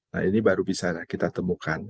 nah ini baru bisa kita temukan